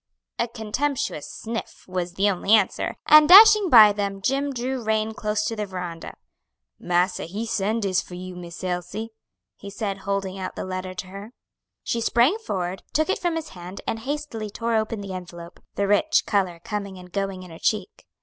A contemptuous sniff was the only answer, and dashing by them, Jim drew rein close to the veranda. "Massa he send dis for you, Miss Elsie," he said, holding out the letter to her. She sprang forward, took it from his hand and hastily tore open the envelope, the rich color coming and going in her cheek.